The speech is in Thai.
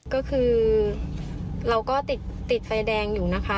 ก็คือเราก็ติดไฟแดงอยู่นะคะ